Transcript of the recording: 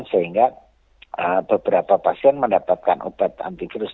sehingga beberapa pasien mendapatkan obat antikrus